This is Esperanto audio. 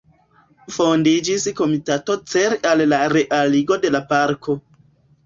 Fondiĝis komitato cele al la realigo de la parko.